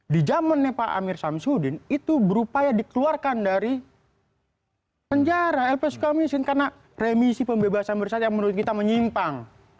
di zamannya pak amir samsudin itu berupaya dikeluarkan dari penjara lp suka misin karena remisi pembebasan bersyarat yang menurut kita menyimpang